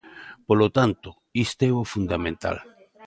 Polo tanto, isto é o fundamental.